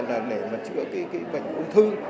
để chữa cái bệnh ung thư